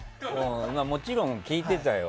もちろん聞いてたよ。